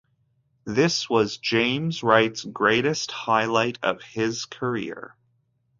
This was James Wright's greatest highlight of his career.